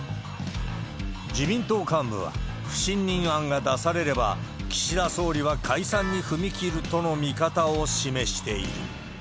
自民党幹部は、不信任案が出されれば、岸田総理は解散に踏み切るとの見方を示している。